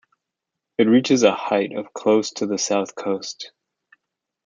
It reaches a height of close to the south coast.